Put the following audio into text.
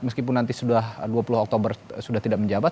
meskipun nanti sudah dua puluh oktober sudah tidak menjabat